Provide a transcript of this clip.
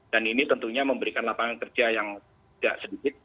ini tentunya memberikan lapangan kerja yang tidak sedikit